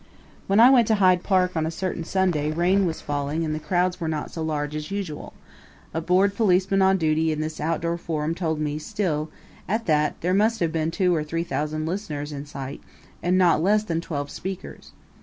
When I went to Hyde Park on a certain Sunday rain was falling and the crowds were not so large as usual, a bored policeman on duty in this outdoor forum told me; still, at that, there must have been two or three thousand listeners in sight and not less than twelve speakers.